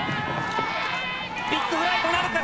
ビッグフライトなるか？